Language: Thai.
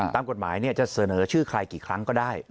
ตามกฎหมายจะเสนอชื่อใครกี่ครั้งก็ได้